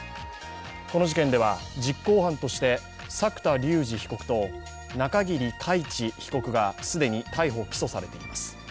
この事件では実行犯として作田竜二被告と中桐海知被告が既に逮捕・起訴されています。